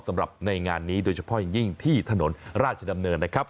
สำหรับในงานนี้โดยเฉพาะอย่างยิ่งที่ถนนราชดำเนินนะครับ